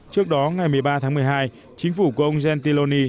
trước đó ngày một mươi ba tháng một mươi hai chính phủ của ông jentilonie